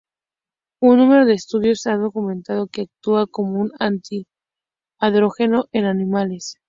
Un número de estudios han documentado que actúa como un anti-andrógeno en animales.